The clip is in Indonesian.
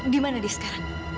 di mana di sekarang